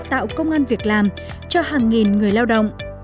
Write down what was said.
tạo công an việc làm cho hàng nghìn người lao động